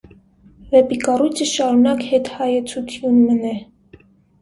Վէպի կառոյցը շարունակ յետհայեցութիւն մըն է։